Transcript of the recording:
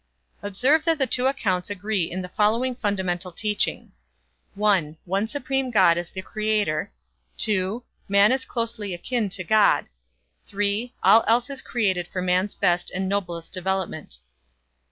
Observe that the two accounts agree in the following fundamental teachings: (1) One supreme God is the Creator; (2) man is closely akin to God; (3) all else is created for man's best and noblest development.